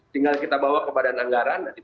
tinggal kita bawa ke badan anggaran